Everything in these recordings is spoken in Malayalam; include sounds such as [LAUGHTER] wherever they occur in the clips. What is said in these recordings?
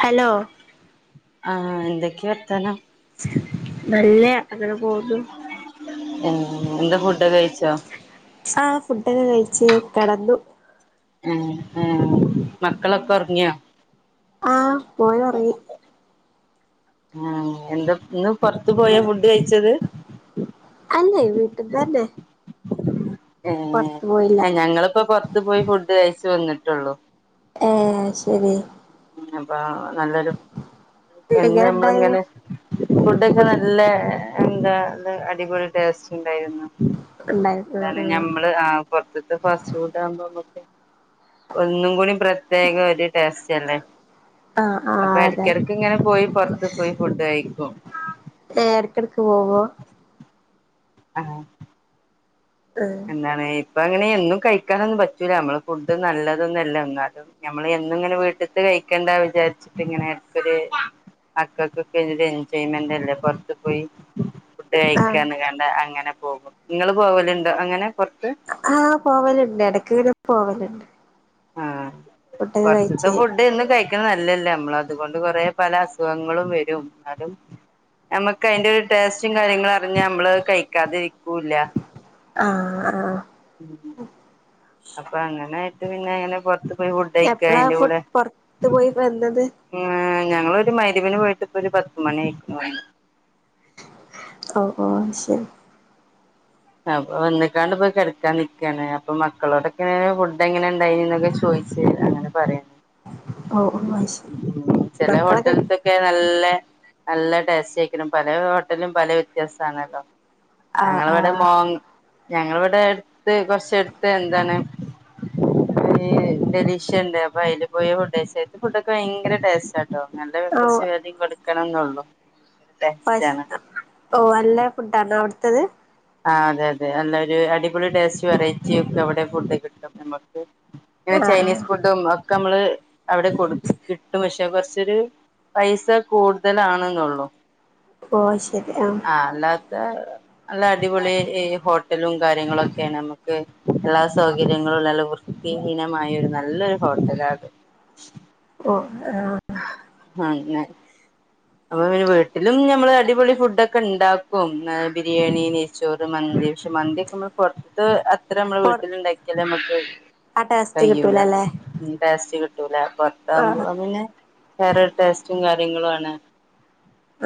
ഹലോ ആഹ് എന്തൊക്കെയ വർത്തനം നല്ല്യ അങ്ങനെ പോവൂന്നു ഏഹ് എന്താ ഫുഡ് കഴിച്ചോ ആഹ ഫുഡൊക്കെ കഴച്ച് കിടന്നു ഉംഹ് ആഹ് മക്കളക്കൊറ്ങ്ങിയൊ? ആഹ് മോനൊറ്ങ്ങി ആഹ് എന്താപ്പ് ഇന്ന്പൊറ്ത്ത്പോയാ ഫുഡ്ഡ്കഴിച്ചത്? അല്ലേയ് വീട്ട്ന്ന്ന്നെ പോയില്ല ഏഹ് ഞങ്ങള്പ്പോപൊറ്ത്ത്പോയി ഫുഡ്ഡ്കഴച്ച് വന്ന്ട്ടൊള്ളൂ ഏഹ് ശെരി അപ്പനല്ലൊരു എങ്ങനെ ഉണ്ടായിരുന്നു എന്നുഅമ്മളിങ്ങനെ ഫുഡ് ഫുഡ്ഡൊക്കെനല്ലെ എന്താനല്ലെ അടിപൊളിടേസ്റ്റ്ണ്ടായ്ര്ന്നു ഉണ്ടായിരുന്നു ന്താണ്ഞമ്മള് ആഹ് പൊറ്ത്ത്ത്തെ ഫാസ്റ്റ്ഫുഡ്ഡാവുമ്പോമ്മക്ക് ഒന്നുംകുടിം പ്രത്യേകഒരുടെസ്റ്റ്അല്ലേ? ആഹ് ആഹ് ആഹ് അതെ അപ്പൊഎട്ക്കിടക്ക്ങ്ങനെപോയി പൊറ്ത്ത്പോയി ഫുഡ്ഡ്കഴിക്കും ഏഹ് എട്ക്കട്ക്ക്പോവോ? ആഹ് ആഹ് ന്താണ് ഇപ്പങ്ങനെഎന്നും കഴിക്കാനൊന്നുംപറ്റൂല നമ്മളെഫുഡ് നല്ലതൊന്നല്ല ന്നാലും ഞമ്മള് എന്നുംങ്ങനെ വീട്ട്ത്തെകഴിക്കണ്ട വിചാരിച്ചിട്ട്ങ്ങനെ എട്ക്കൊര് മക്കക്ക് ഒരു എൻജോയ്മെന്റെല്ലേ പൊറ്ത്ത്പോയി ആഹ് ഫുഡ്കഴിക്കന്ന്കണ്ട അങ്ങനെപോകും ഇങ്ങള്പോവ് ലുണ്ടോ അങ്ങനെപൊറ്ത്ത്? ആഹ് പോവല്ണ്ട് എടക്ക്ങ്ങ്നെപോവ് ല്ണ്ട്. ആഹ് പൊറ്ത്ത്ത്തെ ഫുഡ്ഡെഎന്നും കഴ് ഴിക്കാനല്ലല്ലേ നമ്മളെഅത്കൊണ്ട്കൊറേ പല അസുഖങ്ങളുംവരും ന്നാലും നമ്മ്ക്ക് അയിന്റെരു ടേസ്റ്റുംകാര്യങ്ങളും അറിഞ്ഞമ്മള്ഹ് കഴിക്കാതിരിക്കൂല്ല ആഹ് ആഹ് ഉം അപ്പഅങ്ങനായിട്ട്പിന്നെങ്ങെനെപൊറ്ത്ത്പോയി ഫുഡ്ഡഴിക്ക അയിന്റെകൂടെ ത്ത്പോയി വന്നത് ഞങ്ങളൊരുമയ്രിമ്പിന് പോയിട്ട്പ്പൊരു പത്ത്മണിയ്ക്ക്ണ് വന്ന് ഓഹ് ഓഹ് ശെരി അപ്പൊ വന്ന്ക്കാണ്ട്പ്പ കെട്ക്കാൻനിക്കാണ് അപ്പൊ മക്കളോടൊക്കെ ഫുഡ്ഡെങ്ങനെണ്ടായിനിന്നൊക്കെ ചോയി ച് അങ്ങനെ പറയചില ഓഹ് ഓഹ് ശരി മക്കളൊക്കെ ഹോട്ടലിതെ നല്ല നല്ലടേസ്റ്റയ്ക്കണം പലഹോട്ടലും പലവ്യത്യാസാണല്ലോ ആഹ് ഞങ്ങള് ആഹ് വ്ടെമോങ്ങ് ഞങ്ങള് വ്ടെ എട്ത്ത് കൊറ്ച്ചെട്ത്ത്എന്താണ് ഡെലീഷ്യണ്ട് അപ്പൊഅയില് പോയി ഫുഡ്ഡയിച്ചെ അയിത്തെ ഫുഡ്ഡൊക്കെ ഭയങ്കരടേസ്റ്റാ നല്ല ഓ കുറച്ച് [UNINTELLIGIBLE] കൊടുക്കാനൊന്നേ ഉള്ളൂ ഓന ല്ലഫുഡ്ഡാണൊഅവ്ട്ത്തത്? ആഹ് അതെഅതെ നല്ലോര് അടിപൊളിടേസ്റ്റ് വെറൈറ്റിയൊക്കെ അവ്ടെ ഫുഡ്ഡ്കിട്ടുംനമ്മൾക്ക് ആ ആ ഇങ്ങനെചൈനീസ്ഫുഡും ഒക്കെഅമ്മള് അവിടെകൊട് കിട്ടുംപഷെ കൊറ്ച്ചര് പൈസ കൂട്തലാണ്ന്നൊള്ളു ഓ ശരി ആ ആഹ് അല്ല നല്ല അടിപൊളി ടിപൊളി ഹോട്ടലുംകാര്യങ്ങളൊക്കേണ് അമ്മ്ക്ക് എല്ലാസൗകര്യങ്ങളുംനല്ലവൃ വൃത്തിഹീനമായൊരുനല്ലൊരുഹോട്ടലാത് ഓ ആഹ് ആഹ് അങ്ങനെ അപ്പൊ പിന്നെ വീട്ടിലും ഞമ്മള് അടിപൊളി ഫുഡൊക്കെ ഉണ്ടാക്കും ബിരിയാണി നെയ്ച്ചോറ് മന്തി പക്ഷേ മന്തി നമ്മള് പൊറത്ത് എത്ര നമ്മള് പൊ വീട്ടിലുണ്ടാക്കിയാലും നമ്മക്ക് ആ ടേസ്റ്റ് കഴിയൂല കിട്ടൂലല്ലേ ടേസ്റ്റ് കിട്ടൂല ആ പൊറത്താവുമ്പോ അത് പിന്നെ വേറൊരു ടേസ്റ്റും കാര്യങ്ങളും ആണ്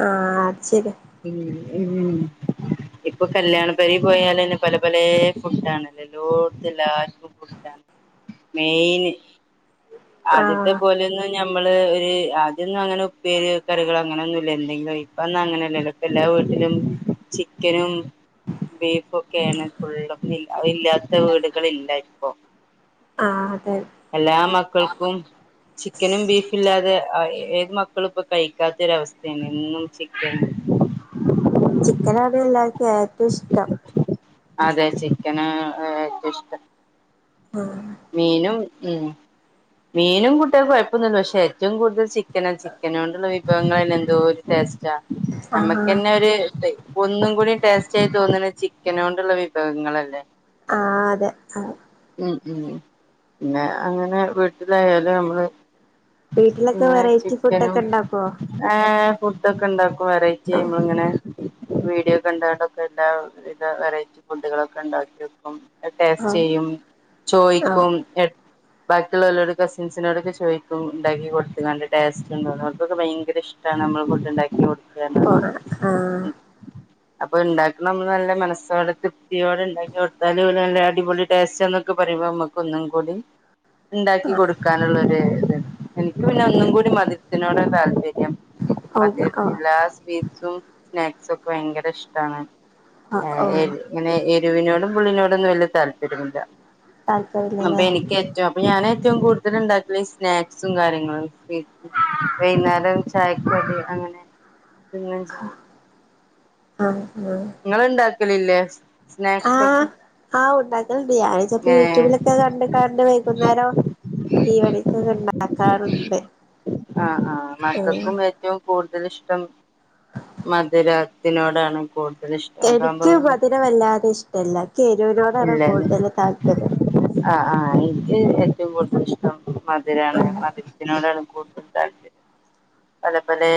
ആഹ് അത് ശരിയാ ഉം ഉം ഇപ്പൊ കല്യാണ പെരയിൽ പോയാലന്നെ പലെ പലെ ഫുഡ്ഡാണല്ലേ എല്ലോടത്തും എല്ലാർക്കും ഫുഡ്ഡാണ് മെയിന് ആ ആദ്യത്തെ പോലെയൊന്നും ഞമ്മള് ഒരു ആദ്യവൊന്നും അങ്ങനെ ഉപ്പേരി കറികൾ അങ്ങനൊന്നും ഇല്ലാ എന്തെങ്കിലും ആയിട്ട് ഇപ്പോ ഒന്നും അങ്ങനല്ലല്ലോ ഇപ്പോ എല്ലാ വീട്ടിലും ചിക്കനും ബീഫ് ഒക്കെയാണ് ഫുള്ളും അത് ഇല്ലാത്ത വീടുകള് ഇല്ല ഇപ്പൊ ആഹ് അതെ എല്ലാ മക്കൾക്കും ചിക്കനും ബീഫും ഇല്ലാതെ ഏത് മക്കളും ഇപ്പോ കഴിക്കാത്തൊരു അവസ്ഥയാണ് എന്നും ചിക്കൻ ചിക്കനോട് എല്ലാർക്കും ഏറ്റവും ഇഷ്ടം അതെ ചിക്കനാ ഏറ്റവും ഇഷ്ടം ആഹ് മീനും ഉം മീനും കുട്ടികൾക്ക് കൊഴപ്പവൊന്നുവില്ല പക്ഷേ ഏറ്റവും കൂടുതൽ ചിക്കനാ ചി ചിക്കന് കൊണ്ടുള്ള വിഭവങ്ങളെല്ലാം എന്തോ ഒരു ടെസ്റ്റാ ആ നമ്മക്ക് ആ തന്നെ ഒര് ഒന്നും കൂടി ടേസ്റ്റായി തോന്നണേ ചിക്കനോണ്ടുള്ളാ വിഭവങ്ങളല്ലേ ആഹ് അതെ ആഹ് ഉം പിന്നെ അങ്ങനെ വീട്ടിലായാലും നമ്മള് വീട്ടിലൊക്കെ ഇങ്ങനെ വെറൈറ്റി ചിക്കനും ഫുഡൊക്കെ ഉണ്ടാക്കുവോ ആഹ് ഫുഡ്‌ ഒക്കെ ഇണ്ടാക്കും വെറൈറ്റി ആ നമ്മളിങ്ങനെ വീഡിയോ ഒക്കെ കണ്ടോണ്ടൊക്കെ എല്ലാവിധ വെറൈറ്റി ഫുഡ്ഡുകളൊക്കെ ഉണ്ടാക്കി നോക്കും ടേസ്റ്റ് ആ ചെയ്യും ആ ചോയിക്കും എ ബാക്കിയുള്ളലോടൊക്കെ കസിൻസിനോടൊക്കെ ചോയിക്കും ഉണ്ടാക്കി കൊടുത്തങ്ങാണ്ട് ടേസ്റ്റ് ഉണ്ടോന്ന് അവർക്കൊക്കെ ഭയങ്കര ഇ ഇഷ്ടാണ് നമ്മള് ഫുഡ്‌ ഉണ്ടാക്കി കൊടുക്കാന്ന് ഓ പറഞ്ഞാല് ആ അപ്പൊ ഉണ്ടാക്കണ അന്ന് നല്ല മനസോടെ തൃപ്തിയോടെ ഉണ്ടാക്കി കൊടുത്താല് ഓല് നല്ല അടിപൊളി ടേസ്റ്റാന്നൊ ക്കെ പറയുമ്പോ നമക്ക് ഒന്നും കൂടി ആ ഉണ്ടാക്കി കൊടുക്കാനുള്ളരു ഇത് എനിക്ക് പിന്നെ ഒന്നും കൂടി മധുരത്തിനോടാ താല്പര്യം ഓ മധുരത്തി എല്ലാ സ്വീറ്റ്സും സ്നാക്സും ഒക്കെ ഭയങ്കര ഇഷ്ടാണ് ഓ ഏ ഓ എ ഇങ്ങനെ എരുവിനോടും പുളീനോടൊന്നും വല്ല്യ താല്പര്യവില്ല അപ്പ താല്പര്യമില്ലല്ലേ എനിക്ക് ഏറ്റവും അപ്പൊ ഞാന് ഏറ്റവും കൂടുതൽ ഉണ്ടാക്കല് ഈ സ്നാക്സും കാര്യങ്ങളും സ്വീറ്റ് വൈകുന്നേരം ചായക്ക് കടി അങ്ങനെ തിന്നുവേയും ചെയ്യും ആഹ് ആഹ് ഇങ്ങള് ഉണ്ടാക്കലില്ലേ ആഹ് സ്നാക്സൊക്കെ ആഹ് ഉണ്ടാക്കലണ്ട് ഞാനും ചെലപ്പോ യൂട്യൂബിലൊക്കെ കണ്ടങ്ങാണ്ട് വൈകുന്നേരം ഈവനിക്ക് ഒക്കെ ഉണ്ടാ ആക്കാറുണ്ട് ആഹ് ആഹ് മക്കക്കും ഏ റ്റവും കൂടുതൽ ഇഷ്ടം മധുരത്തിനോടാണ് കൂടുതൽ ഇ എനിക്ക് മധുരം വല്ലാതെ ഇഷ്ടവില്ല എനിക്ക് എരുവിനോടാണ് കൂടുതല് താല്പര്യം ആഹ് ആഹ് എനിക്ക് ഏറ്റവും കൂടുതൽ ഇഷ്ടം മധുരാണ് ആഹ് മധുര ത്തിനോടാണ് കൂടുതൽ താല്പര്യം പല പലേ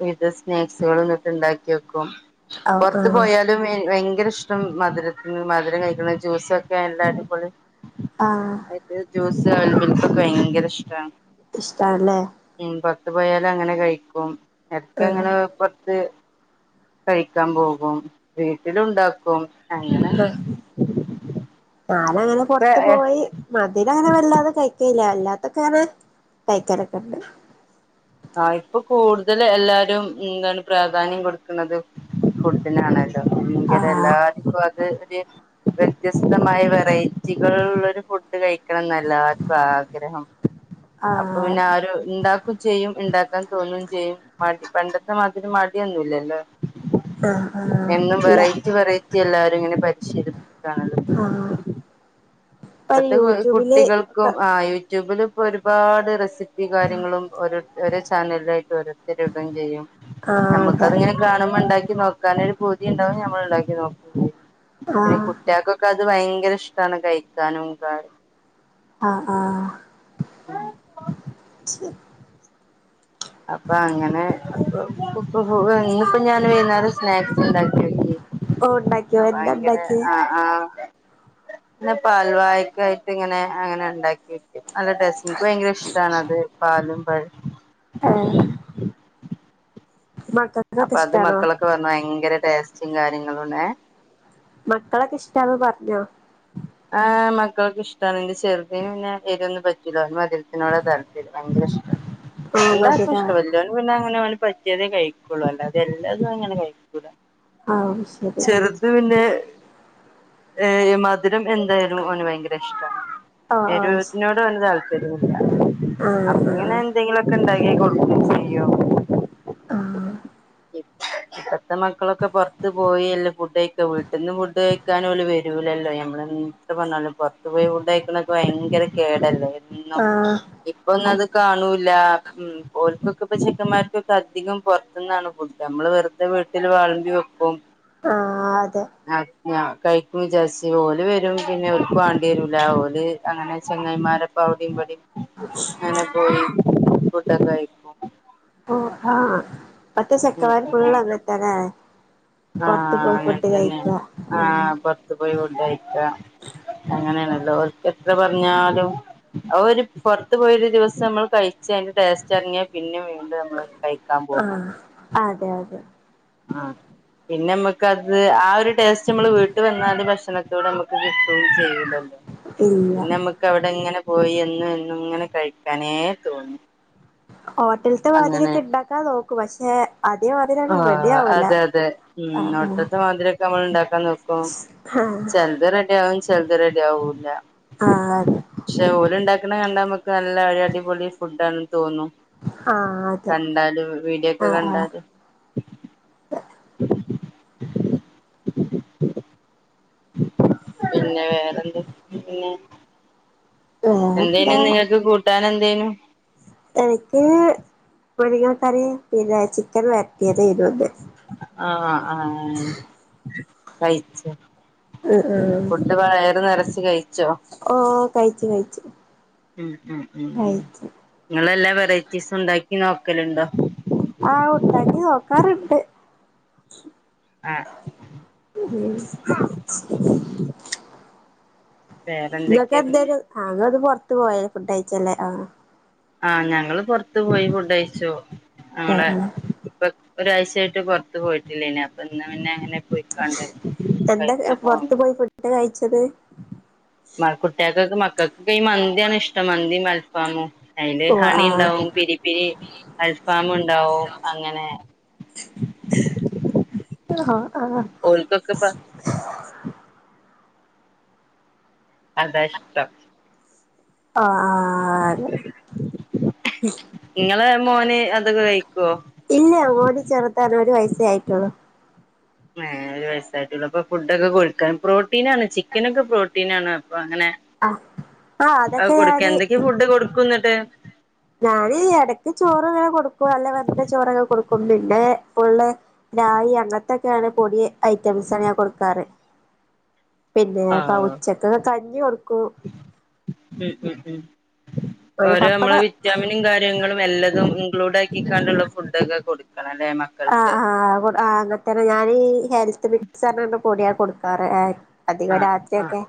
വിവിധ സ്നാക്സുകൾന്നിട്ട് ണ്ടാക്കി വെക്കും. ആഹ് പൊറത്ത് ആഹ് പോയാലും ഭയങ്കര ഇഷ്ടം മധുര മധുരം കഴിക്കണം ജ്യൂസൊക്കെ എല്ല അടിപൊളി. ആഹ്. ത് ജ്യൂസ് അവിൽമിൽക്കൊക്കെ ഭയങ്കര ഇഷ്ടാണ്. ഇഷ്ട്ടാലേ. ഉം പോർത്ത് പോയാല് അങ്ങനെ കഴിക്കും എടക്ക് ആഹ് ഞങ്ങള്. പൊറത്ത് കഴിക്കാൻ പോകും വീട്ടിലുണ്ടാക്കും. അങ്ങനെ ആഹ് ഞാനങ്ങനെ ഇപ്പ പൊറത്ത് പോയി. മധുരം അങ്ങനെ വല്ലാതെ കഴിക്കുല അല്ലാത്തൊക്കെ ങ്ങനെ കഴിക്കലൊക്കെണ്ട്. ആഹ് ഇപ്പൊ കൂടുതൽ എല്ലാരും എന്താണ് പ്രാധാന്യം കൊടുക്കണത് ഫുഡിനാണ്. ഭയങ്കര ആഹ് എല്ലാർക്കു അത് ഒര്. വ്യത്യസ്തമായ വെറൈറ്റികള് ഉള്ളൊരു ഫുഡ് കഴിക്കണന്നാ എല്ലാർക്കും ആഗ്രഹം. അപ്പൊ ആഹ് പിന്നെ ആരും ഇണ്ടാക്കും ചെയ്യും. ഇണ്ടാക്കാൻ തോന്നും ചെയ്യും മടി പണ്ടത്തെ മാതിരി മടിയൊന്നുല്ലല്ലോ. ആഹ് ആഹ് എന്നും ഇല്ല വെറൈറ്റി വെറൈറ്റി എല്ലാരും ഇങ്ങനെ പരിശീലിപ്പാണല്ലോ. ആഹ്. ഇപ്പൊ ഇപ്പത്തെ യൂട്യൂബില് കുട്ടികൾക്കും ഒക്കെ ആ യൂട്യൂബില് ഇപ്പോ ഒരുപാട് റെസിപ്പി കാര്യങ്ങളും ഒരു. ഓരോ ചാനലിലായിട്ട് ഓരോരുത്തരു ഇടും ചെയ്യും ആഹ് അതെ നമ്മുക്കതിങ്ങനെ. കാണുമ്പോ ഇണ്ടാക്കി നോക്കാന് ഒരു പൂതി ഇണ്ടാവും ഞമ്മള് ഇണ്ടാക്കി നോക്കും ചെയ്യും പിന്നെ ആഹ് കുട്ടിയക്ക്. ക്കത് ഭയങ്കര ഇഷ്ട്ടാണ് കഴിക്കാനും കാ ആഹ്, ആഹ്. [UNINTELLIGIBLE] അപ്പ അങ്ങനെ അപ്പൊ. ഇപ്പൊ ഇന്നിപ്പോ ഞാന് വൈകുന്നേരം സ്നാക്സ് ഇണ്ടാക്കി വെക്കും. ഓ ഒണ്ടാക്കിയോ എന്താണ്ടാക്കിയേ? ആഹ് ഇന്നിപ്പ അൽവായ്ക്കായിട്ട് ഇങ്ങനെ അങ്ങനെ ഇണ്ടാക്കി. നല്ല ടേസ്റ്റ് എനിക്ക് ഭയങ്കര ഇഷ്ട്ടാണ് അത് പാലും പഴോ മക്ക അപ്പൊ അത് മക്കളൊക്കെ പറഞ്ഞു ഭയങ്കര ടേസ്റ്റും കാര്യങ്ങളുംണേ. മക്കളൊക്കെ ഇഷ്ടാന്ന് പറഞ്ഞോ? ആ മക്കൾക്ക് ഇഷ്ട്ടാണ് എന്റെ ചെറുതിന് പിന്നെ എരിയൊന്നും പറ്റൂല. മധുരത്തിനോട തര ഭയങ്കര ഇഷ്ട. ഓ രണ്ടാക്കും മധുരാ ഇഷ്ട വല്ല്യവന് പിന്നെ അങ്ങനെ അവന് പറ്റിയതേ കഴിക്കുള്ളൂ അല്ലാതെ എല്ലാതും അങ്ങനെ കഴിക്കൂല. ആഹ് അത് ശെരി. അത് പിന്നെ ഏ മധുരള്ള എന്തായാലും ഓന് ഭയങ്കര ഇഷ്ട്ടാ. ഓ ഓ എരിവുള്ളതിനോട് വലിയ താല്പര്യമില്ല ആഹ് അപ്പൊ ആഹ് ഇങ്ങനെ. എന്തെങ്കിലൊക്കെ ഇണ്ടാക്കി കൊടുക്കെ ചെയ്യും. ആഹ്. [INAUDIBLE] ഇപ്പത്തെ മക്കളൊക്കെ പുറത്ത് പോയിയല്ലേ ഫുഡ് കഴിക്ക വീട്ടിന്ന് ഫുഡ് കഴിക്കാനും ഓല് വരൂലല്ലോ. ഞമ്മള ന്ത് പറഞ്ഞാലും പൊറത്തു പോയി ഫുഡ്ഡ് കഴിക്കണ ഭയങ്കര കേടല്ലേ എന്നും. ആഹ് ആഹ് ഇപ്പൊ ഒന്നും അത് കാണൂല്ല ഉം ഓൽക്കൊക്കെ പ്പ ചെക്കന്മാർക്കൊക്കെ അധികം പുറത്തുന്നാണ്. നമ്മള് വെറുതെ വീട്ടില് വെളമ്പി വെക്കും. ആ അതെ. ആഹ് ഞ കഴിക്കും വിചാരിച്ച് ഓല് വരും. പിന്നെ ഓർക്ക് വേണ്ടി വരൂല. ഓല് അങ്ങനെ ചെങ്ങായിമാ പ്പ അവിടേം ഇവിടേം ങ്ങനെ പോയി ഫുഡ്ഡ് ക്കെ കയി ഓഹ്! ആഹ്! ഇപ്പത്ത ഉം ചെക്കന്മാര് ഉം ഫുള്ള് അതന്ന ല്ലേ. പൊറത്ത് ആഹ് പോയി ഫുഡ്ഡ് കഴിക്ക. ആഹ്! ത്ത് പോയി ഫുഡ്ഡ് കഴിക്ക. അങ്ങനെയണല്ലോ. ഓല്ക്ക് എത്ര പറഞ്ഞാലും അഹോരു പുറത്ത് പോയൊരു ദിവസം നമ്മൾ കഴിച്ച അതിന്റെ ടേസ്റ്ററിഞ്ഞാ പിന്നെ വീണ്ടമ്മള് ആഹ്! അതെ അതെ. ആഹ്! പിന്നെ മ്മക്കത് ആഹ് ഒരു ടേസ്റ്റ് മ്മള് വീട്ട് വന്നാല് ഭക്ഷണത്തോടെ നമ്മക്ക് കിട്ടയും ചെയ്ലല്ലോ. ഇല്ല പിന്നെമ്മക്ക് അവിടെ ഇങ്ങനെ പോയി എന്നും എന്നും ഇങ്ങനെ കഴിക്കാനേ തോന്നൂ. ഹോട്ടൽത്തെ മാതിരിയൊക്കെ ഇണ്ടാക്കാ നോക്കും. പക്ഷെ അതേ മാതിരി അങ്ങ് റെഡി ആഹ്! ആവൂല അതെ അതെ. ഉം ആഹ് ഹോട്ടത്തെ മാതിരി ക്കെ നമ്മൾ ണ്ടാക്കാൻ നോക്കും. ആഹ് ചെൽത് റെഡി ആവും ചെലത് റെഡി ആവൂല. ആഹ്! അതെ ക്ഷെ ഓര് ണ്ടാക്കണ കണ്ടാ നമക്ക് നല്ല ഒരടിപൊളി ഫുഡാണെന്ന് തോന്നും. ആഹ് അതെ കണ്ടാല് വീഡിയൊക്കെ ആഹ് ആഹ് കണ്ടാല്. [INAUDIBLE] [INAUDIBLE] പിന്നെ വേറെന്ത്? പിന്നെ. എന്തേനു വേറെന്താ ന്ന് നിങ്ങൾക്ക് കൂട്ടാന് എന്തേനു. എനിക്ക് മുരിങ്ങ കറിയും പിന്നെ ചിക്കൻ വരട്ടിയതുനി ഇന്ന്. ആഹ്! ആഹ്! കഴിച്ചോ? ആഹ്! ആഹ്! ഫുഡ്ഡ് വയറ് നിറച്ച് കഴിച്ചോ? ഓഹ്! കഴിച്ചു കഴിച്ചു. ഉം ഉം ഉം ഉം കഴിച്ചു നിങ്ങളെല്ലാ വെറൈറ്റീസും ഉണ്ടാക്കി നോക്കലുണ്ടോ? ആഹ്! ഉണ്ടാക്കി നോക്കാറുണ്ട്. ആഹ്! ഉം വേറെന്തൊക്കെയാ പിന്നെ ങ്ങക്കെന്തെനു. ആഹ് നിങ്ങളിന്ന് പുറത്ത് പോയ ഫുഡ് കഴിച്ചല്ലേ. ആഹ്! ആഹ്! ഞങ്ങള് പുറത്ത് പോയി ഫുഡ് കഴിച്ചു. ആഹ് ഞങ്ങളെ ആഹ് ഇപ്പോ ഒരാഴ്ചയായിട്ട് പുറത്ത് പോയിട്ടില്ലേനി. അപ്പോ ഇന്ന് പിന്നങ്ങനെ എന്താ പുറത്ത് പോയി ഫുഡ്ഡ് കഴിച്ചത്.? മ കുട്ട്യാക്കൊക്കെ മക്കക്കൊക്കെ ഈ മന്തിയാണ് ഇഷ്ടം, മന്തിം അൽഫാമും. അയില് ഓ ഹണി ആഹ് ണ്ടാവും പിരി പിരി അൽഫാം ണ്ടാവും അങ്ങനെ. ആഹ്! ആഹ്! ഓൽക്കൊക്കപ്പം അതാ ഇഷ്ടം. ആഹ്! ആഹ്! അതെ നിങ്ങളെ മോന് അത് കഴിക്കൊ?. ഇല്യ. ഓന് ചെർതാണ്. ഒരു വയസ്സേ ആയിട്ടുള്ളു. ഏഹ്. ഒരു വയസ്സായിട്ടുള്ളു. അപ്പോ ഫുഡ്ഡക്കെ കൊടുക്കാൻ പ്രോട്ടിനാണ്. ചിക്കനൊക്കെ പ്രോട്ടിനാണ്. അപ്പോ അങ്ങനെ ആഹ് ആഹ് അഹ് അതൊക്കെ കൊടുക്ക. ഞാന് എന്തൊക്കെ ഫുഡ് കൊടുക്കും ന്നട്ട്. ഞാന് ഇടക്ക് ചോറ് ഇങ്ങനെ കൊടുക്കും. അല്ല വെന്ത ചോറക്കെ കൊടുക്കും. പിന്നെ ഫുള്ള് രാഗി അങ്ങനത്തെക്കെണ് പൊടി ഐറ്റംസാണ് ഞാൻ കൊടുക്കാറ് പിന്നെപ്പ ആഹ് ഉച്ചക്ക് കഞ്ഞി കൊടുക്കും ഉം ഉം ഉം ഒരു ഒരെ പപ്പട നമ്മള് വിറ്റാമിൻ കാര്യങ്ങളും എല്ലതും ഇൻക്ലൂഡ് ആക്കിക്കാണ്ടുള്ള ഫുഡൊക്കെ കൊടുക്കണം അല്ലേ മ ആഹ് ആഹ് അത് കൊടു ആഹ് അങ്ങതന്നെ ഞാന് ഈ ഹെൽത്ത് മിക്ച്ചറിന്റെ പൊടിയാ കൊടുക്കാറ് അധികം ആഹ് രാത്രി ആഹ് ഒക്കെ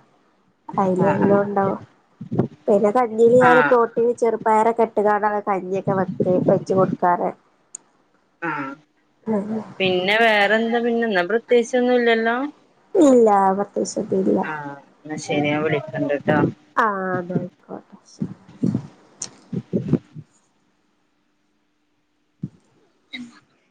അയില് എല്ലും ആഹ് ഉണ്ടാവും പിന്നെ കഞ്ഞില് ആഹ് ഞാന് ആഹ് പ്രോട്ടീൻ ചെറു പയറൊക്കെ ഇട്ട്കാണ്ടാണ് കഞ്ഞിയൊക്കെ വെക്ക് വെച്ച് കൊടുക്കാറ് ആഹ് പിന്നെ വേറെന്താ പിന്നെന്ന പ്രത്യേകിച്ച് ഒന്നുല്ലല്ലോ ഇല്ല പ്രത്യേകിച്ച് എത്തുല്ല എന്ന ശരി ഞാ വിളിക്കണ്ട്ട്ടോ ആഹ് ന്നാ അയിക്കോട്ടെ ശരി